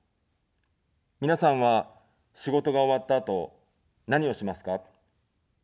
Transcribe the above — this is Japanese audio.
皆さんは、仕事が終わったあと、何をしますか。